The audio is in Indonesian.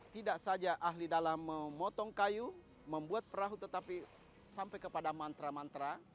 tidak saja ahli dalam memotong kayu membuat perahu tetapi sampai kepada mantra mantra